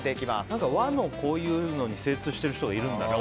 何か、和のこういうのに精通してる人がいるんだね。